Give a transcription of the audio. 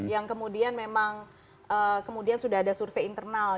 yang kemudian memang kemudian sudah ada survei internal